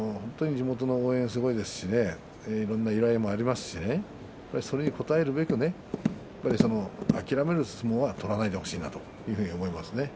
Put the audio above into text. いろいろな依頼もありますしそれに応えるべく諦める相撲は取らないでほしいなと思います。